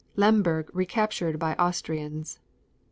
Lemberg recaptured by Austrians.